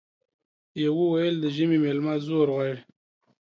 يوه ويل د ژمي ميلمه زور غواړي ،